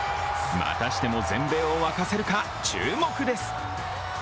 またしても全米を沸かせるか注目です。